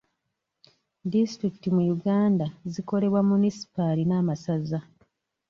Disitulikiti mu Uganda zikolebwa munisipaali n'amasaza.